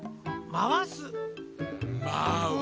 まわす。